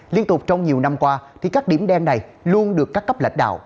liên tục trong nhiều năm qua thì các điểm đen này luôn được các cấp lãnh đạo